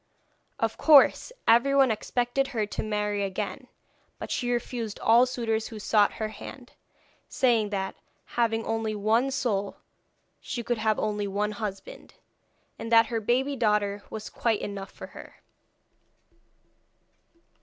Of course everyone expected her to marry again, but she refused all suitors who sought her hand, saying that, having only one soul she could have only one husband, and that her baby daughter was quite enough for her.